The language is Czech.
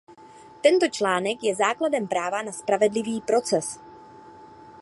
Tento článek je základem práva na spravedlivý proces.